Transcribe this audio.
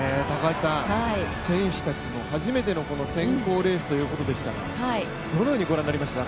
選手たちも初めての選考レースということでしたが、どのようにご覧になりました？